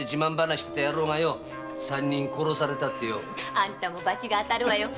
あんたも罰が当たるわよ。